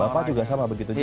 bapak juga sama begitu juga